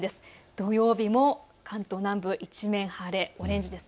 土曜日も関東南部、一面晴れ、オレンジです。